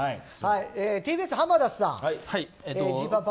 ＴＢＳ浜田さん。